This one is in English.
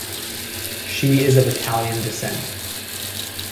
She is of Italian descent.